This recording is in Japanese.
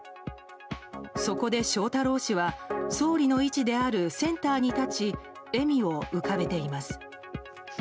そこで翔太郎氏は総理の位置であるセンターに立ち笑みを浮かべています。